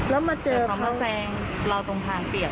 แล้วเขามาแสงเราตรงทางเปรี่ยว